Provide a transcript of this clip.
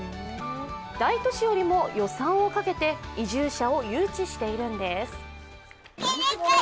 大都市よりも、予算をかけて移住者を誘致しているんです。